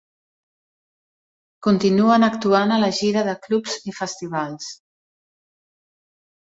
Continuen actuant a la gira de clubs i festivals.